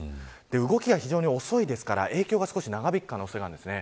動きが非常に遅いですから影響が少し長引く可能性があります。